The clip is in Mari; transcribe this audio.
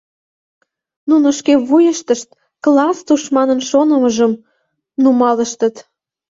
Нуно шке вуйыштышт класс тушманын шонымыжым нумалыштыт.